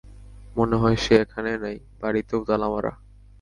মনে হয় সে এখানে নাই, বাড়িতেও তালা মারা।